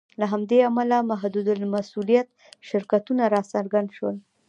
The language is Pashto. له همدې امله محدودالمسوولیت شرکتونه راڅرګند شول.